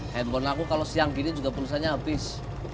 handphone aku kalau siang gini juga pulsanya abis